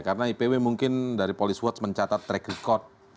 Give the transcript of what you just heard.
karena ipw mungkin dari polis mencatat track record